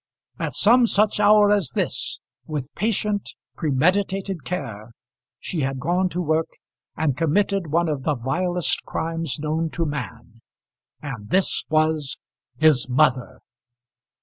At some such hour as this, with patient premeditated care, she had gone to work and committed one of the vilest crimes known to man. And this was his mother!